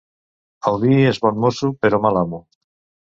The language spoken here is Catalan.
El vi és bon mosso, però mal amo.